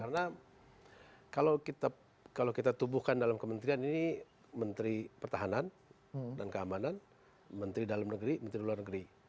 karena kalau kita tubuhkan dalam kementerian ini menteri pertahanan dan keamanan menteri dalam negeri menteri luar negeri